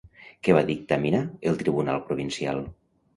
Què va dictaminar el tribunal provincial?